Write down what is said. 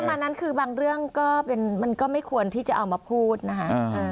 ประมาณนั้นคือบางเรื่องก็เป็นมันก็ไม่ควรที่จะเอามาพูดนะคะ